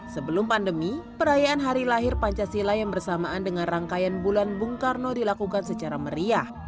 sebelum pandemi perayaan hari lahir pancasila yang bersamaan dengan rangkaian bulan bung karno dilakukan secara meriah